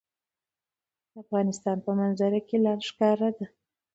د افغانستان په منظره کې لعل ښکاره ده.